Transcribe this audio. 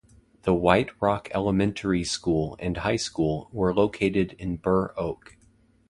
The White Rock elementary school and high school were located in Burr Oak.